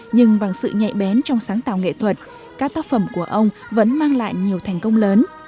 nhưng bằng sự nhạy bén trong sáng tạo nghệ thuật các tác phẩm của ông vẫn mang lại nhiều thành công lớn